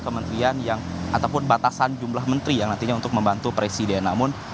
kementerian yang ataupun batasan jumlah menteri yang nantinya untuk membantu presiden namun